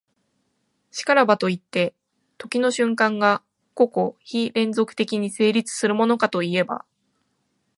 然らばといって、時の瞬間が個々非連続的に成立するものかといえば、